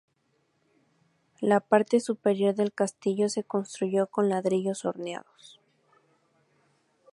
La parte superior del castillo se construyó con ladrillos horneados.